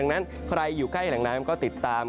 นั้นใครอยู่ใกล้แหล่งน้ำก็ติดตาม